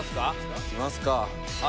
いきますか。